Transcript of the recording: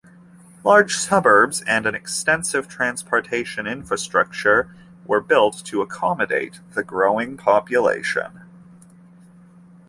Large suburbs and an extensive transportation infrastructure were built to accommodate the growing population.